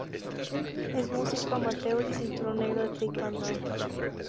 Es músico amateur y cinturón negro de taekwondo.